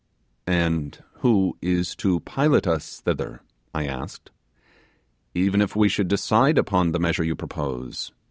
'And who is to pilot us thither,' I asked, 'even if we should decide upon the measure you propose?